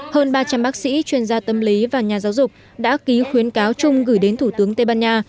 hơn ba trăm linh bác sĩ chuyên gia tâm lý và nhà giáo dục đã ký khuyến cáo chung gửi đến thủ tướng tây ban nha